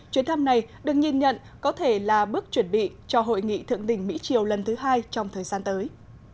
chuyến thăm này được nhìn nhận có thể là bước chuẩn bị cho hội nghị thượng đỉnh mỹ triều lần thứ hai trong thời gian tới